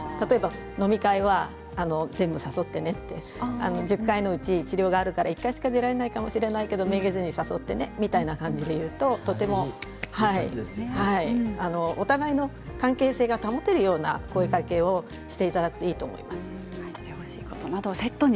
飲み会は、全部誘ってね１０回のうち治療があるから１回しか出られないかもしれないけど、めげずに誘ってねみたいな感じで言うとお互いの関係性が保てるような声がけをしていただくといいと思います。